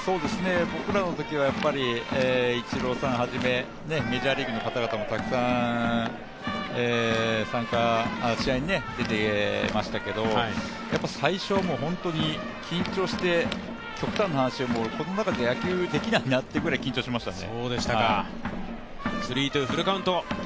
僕らのときはイチローさんはじめメジャーリーグの方々もたくさん試合に出てましたけど最初は緊張して、極端な話、この中じゃ野球できないなってぐらい緊張しましたね。